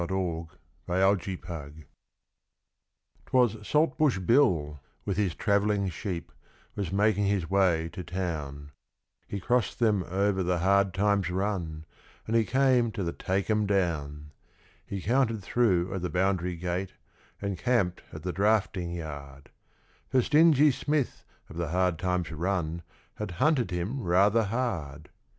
Saltbush Bill's Gamecock 'Twas Saltbush Bill, with his travelling sheep, was making his way to town; He crossed them over the Hard Times Run, and he came to the Take 'Em Down; He counted through at the boundary gate, and camped at the drafting yard: For Stingy Smith, of the Hard Times Run, had hunted him rather hard.